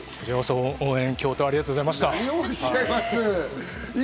応援、共闘、ありがとうございました。